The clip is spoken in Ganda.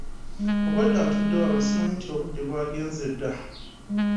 Obwedda ntudde wano simanyi nti obudde bwagenze dda.